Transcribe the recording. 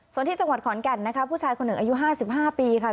ส่วนที่จังหวัดขอนแก่นนะคะผู้ชายคนหนึ่งอายุ๕๕ปีค่ะ